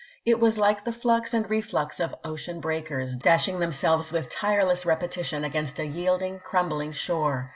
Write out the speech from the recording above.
It was like the flux and reflux of ocean breakers, dashing themselves with tireless repetition against a yielding, crumbling shore.